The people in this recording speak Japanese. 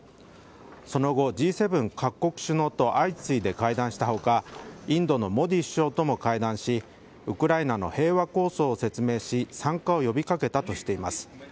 その後、Ｇ７各国首脳と相次いで会談したほかインドのモディ首相とも会談しウクライナの平和構想を説明し参加を呼び掛けたとしています。